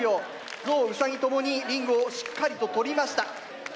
ゾウウサギともにリングをしっかりと取りました。